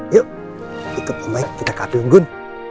yuk ikut om baik kita ke api unggun